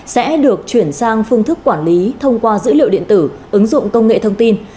sẽ được chuyển sang phương thức quản lý thông qua dữ liệu điện tử ứng dụng công nghệ thông tin